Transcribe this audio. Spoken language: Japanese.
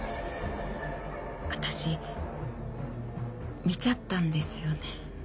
私見ちゃったんですよね。